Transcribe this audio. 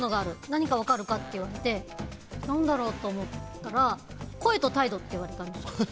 何か分かるかって言われて何だろうって思ったら声と態度って言われたんですよ。